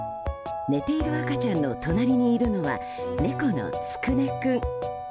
寝ている赤ちゃんの隣にいるのは猫のつくね君。